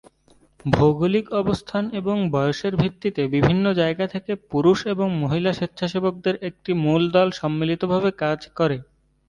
ভৌগোলিক অবস্থান এবং বয়সের ভিত্তিতে বিভিন্ন জায়গা থেকে পুরুষ এবং মহিলা স্বেচ্ছাসেবকদের একটি মূল দল সম্মিলিতভাবে কাজ করে।